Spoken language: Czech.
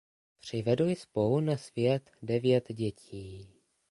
Přivedli spolu na svět devět dětí.